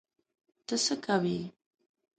ته څه کوې؟